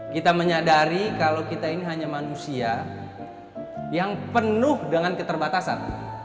kita menyadari kalau kita ini hanya manusia yang penuh dengan keterbatasan